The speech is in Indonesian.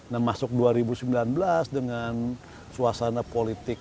nah masuk dua ribu sembilan belas dengan suasana politik